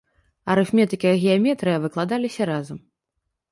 Арыфметыка і геаметрыя выкладаліся разам.